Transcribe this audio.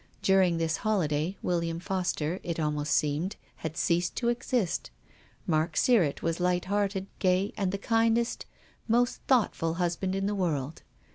During this holiday William Foster, it almost seemed, had ceased to exist. Mark Sirrett was light hearted, gay, and the kindest, most thoughtful husband in the world.